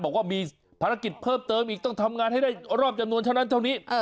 บอกว่ามีภารกิจเพิ่มเติมอีกต้องทำงานให้ได้รอบจำนวนเท่านั้นเท่านี้